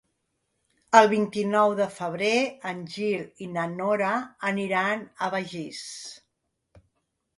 El vint-i-nou de febrer en Gil i na Nora aniran a Begís.